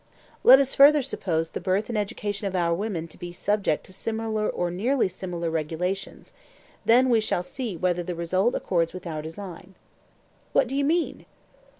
Let us further suppose the birth and education of our women to be subject to similar or nearly similar regulations; then we shall see whether the result accords with our design. What do you mean?